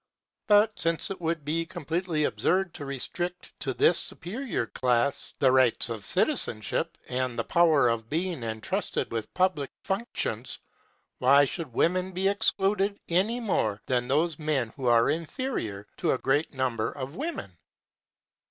But since it would be completely absurd to restrict to this superior class the rights of citizenship and the power of being entrusted with public functions, why should women be excluded any more than those men who are inferior to a great number of women?